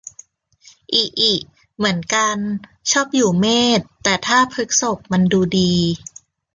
อิอิ เหมือนกัน ชอบอยู่เมษ แต่ถ้าพฤษกมันดูดี